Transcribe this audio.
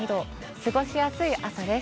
過ごしやすい朝です。